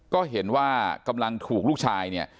ก็เห็นว่ากำลังถูกลูกชายเนี่ย